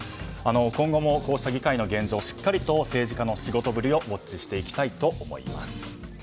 今後も、こうした議会の現状しっかりと政治家の仕事ぶりをウォッチしていきたいと思います。